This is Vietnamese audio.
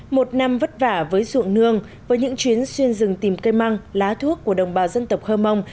một năm vất vả với ruộng nương với những chuyến xuyên rừng tìm cây măng lá thuốc của đồng bào dân tộc hơ mông